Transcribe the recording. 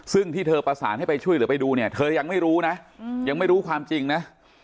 ซึ่งที่เธอประสานให้ไปช่วยหรือไปดูเธอยังไม่รู้ความจริงนะ